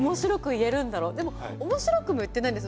でも面白くも言ってないんです。